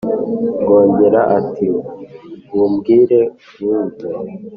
rwogera, ati: «wumbwire nkwumve».